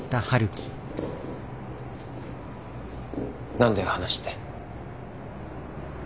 何だよ話って。